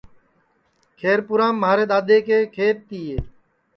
کھیر پُورام مھارے دؔادؔے کے کھیت تِئے